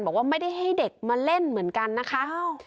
บอกว่าไม่ได้ให้เด็กมาเล่นเหมือนกันนะคะ